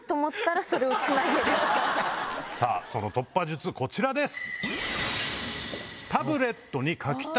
その突破術こちらです。